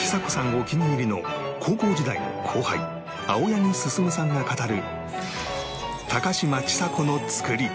お気に入りの高校時代の後輩青柳晋さんが語る